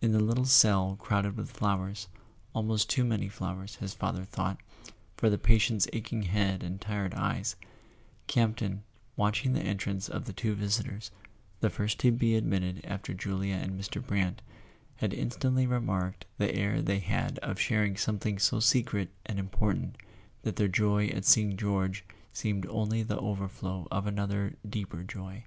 In the little cell crowded with flowers—almost too many flowers, his father thought, for the patient's aching head and tired eyes—Campton, watching the entrance of the two vis¬ itors, the first to be admitted after Julia and Mr. Brant, had instantly remarked the air they had of shar¬ ing something so secret and important that their joy at seeing George seemed only the overflow of another deeper joy.